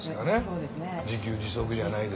そうですね。